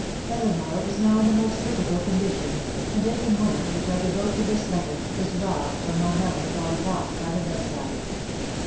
Eleanor is now in a most critical condition, and every moment which I devote to this letter is robbed from my melancholy watch by her bed side.